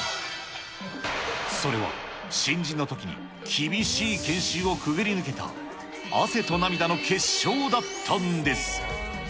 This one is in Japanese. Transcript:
それは新人のときに厳しい研修をくぐり抜けた汗と涙の結晶だったんです。